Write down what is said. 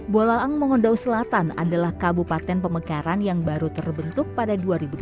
bolaang mengundau selatan adalah kabupaten pemegaran yang baru terbentuk pada dua ribu delapan